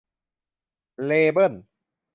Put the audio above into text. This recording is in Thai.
เลเบิ้น